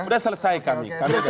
sudah selesai kami